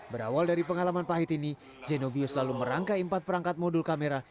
berawal dari pengalaman pahit ini zenobio selalu merangkai empat perangkat modul kamera